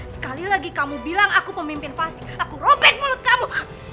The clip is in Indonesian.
sekali lagi kamu bilang aku pemimpin fasik aku robek mulut kamu